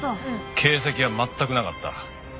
形跡は全くなかった。